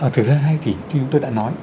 thực ra thì như tôi đã nói